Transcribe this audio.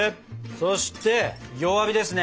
そして弱火ですね！